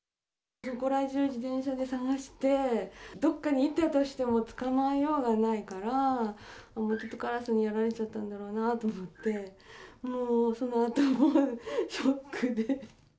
そこらじゅう、自転車で捜して、どっかに行ったとしても、捕まえようがないから、カラスにやられちゃったんだろうなと思って、もうそのあとショックで。